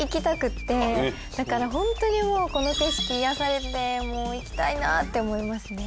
だからホントにもうこの景色癒やされて行きたいなって思いますね。